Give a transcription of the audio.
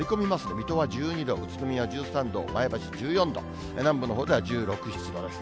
水戸は１２度、宇都宮は１３度、前橋１４度、南部のほうでは１６、７度です。